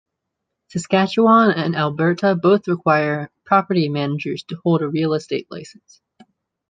Saskatchewan and Alberta both require property managers to hold a real estate license.